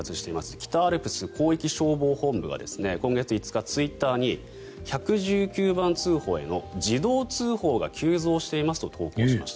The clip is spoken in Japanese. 北アルプス広域消防本部が今月５日、ツイッターに１１９番通報への自動通報が急増していますと投稿しました。